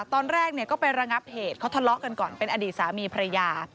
ตอนแรกก็ไประงับเหตุเขาทะเลาะกันก่อนเป็นอดีตสามีภรรยา